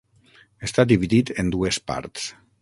Està dividit en dues parts.